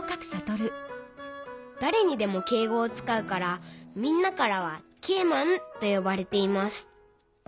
だれにでも敬語をつかうからみんなからはＫマンとよばれています。